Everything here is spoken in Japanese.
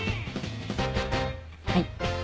はい。